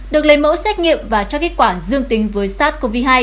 được lấy mẫu xét nghiệm và cho kết quả dương tính với sars cov hai